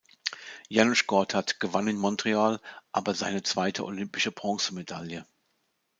Janusz Gortat gewann in Montreal aber seine zweite olympische Bronzemedaille.